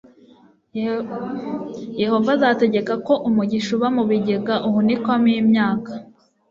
yehova azategeka ko umugisha uba mu bigega uhunikamo imyaka